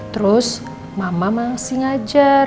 terus mama masih ngajar